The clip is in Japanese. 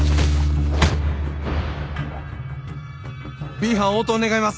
Ｂ班応答願います。